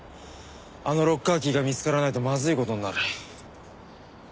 あのロッカーキーが見つからないとまずい事になる。